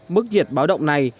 mức nhiệt báo động này